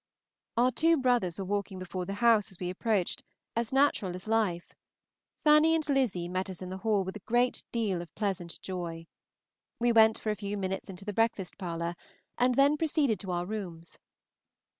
Our two brothers were walking before the house as we approached, as natural as life. Fanny and Lizzy met us in the Hall with a great deal of pleasant joy; we went for a few minutes into the breakfast parlor, and then proceeded to our rooms.